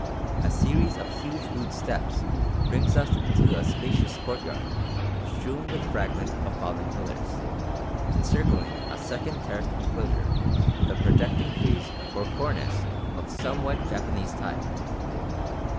A series of huge rude steps brings us into a spacious courtyard, strewn with fragments of fallen pillars, encircling a second terraced enclosure with a projecting frieze or cornice of somewhat Japanese type."